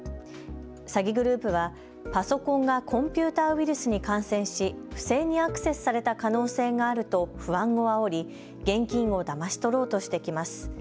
詐欺グループは、パソコンがコンピューターウイルスに感染し不正にアクセスされた可能性があると不安をあおり現金をだまし取ろうとしてきます。